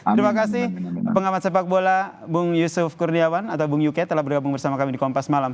terima kasih pengamat sepak bola bung yusuf kurniawan atau bung yuke telah bergabung bersama kami di kompas malam